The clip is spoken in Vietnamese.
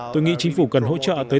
tôi nghĩ chính phủ cần hỗ trợ tới